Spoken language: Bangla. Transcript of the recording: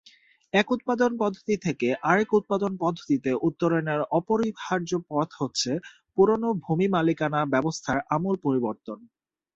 এক উৎপাদন পদ্ধতি থেকে আরেক উৎপাদন পদ্ধতিতে উত্তরণের অপরিহার্য পথ হচ্ছে পুরনো ভূমি মালিকানা ব্যবস্থার আমূল পরিবর্তন।